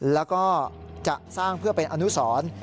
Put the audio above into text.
แล้วก็จะสร้างเพื่อเป็นอนุสร